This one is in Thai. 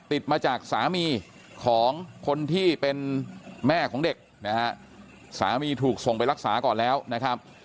ติดมาจากสามีของคนที่เป็นแม่ของเด็กนะฮะสามีถูกส่งไปรักษาก่อนแล้วนะครับ